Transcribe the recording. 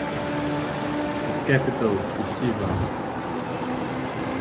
Its capital is Sivas.